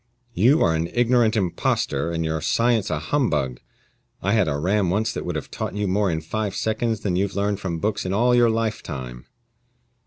"You are an ignorant impostor, and your science a humbug. I had a ram once that would have taught you more in five seconds than you've learned from books in all your lifetime."